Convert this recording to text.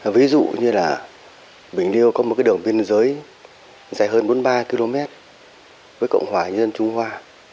ví dụ như là bình liêu có một đường biên giới dài hơn bốn mươi ba km với cộng hòa nhân dân trung hoa